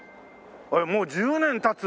もう１０年経つ？